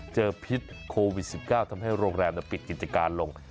พิษโควิด๑๙ทำให้โรงแรมปิดกิจการลง